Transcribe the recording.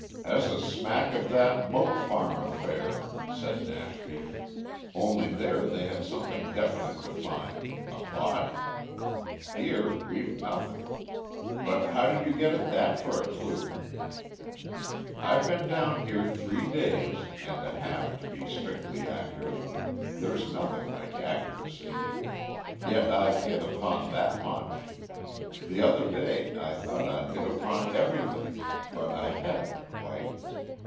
"Has a smack of that Moat Farm affair," said Nashby, "only there they had something definite to find a body. Here we've nothing. But how did you get at that for a clue?" "I've been down here three days and a half, to be strictly accurate; there's nothing like accuracy. Yet I've hit upon that much. The other day I thought I'd hit upon everything, but I hadn't quite.